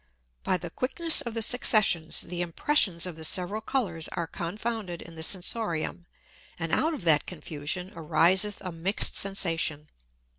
By the Quickness of the Successions, the Impressions of the several Colours are confounded in the Sensorium, and out of that Confusion ariseth a mix'd Sensation.